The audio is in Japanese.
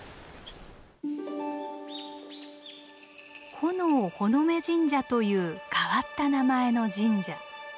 「火男火売神社」という変わった名前の神社。